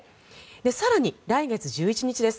更に、来月１１日です。